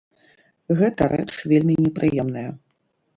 Гэта рэч вельмі непрыемная.